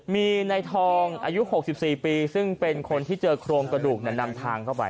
มีในทองอายุ๖๔ปีซึ่งเป็นคนที่เจอโครงกระดูกนำทางเข้าไป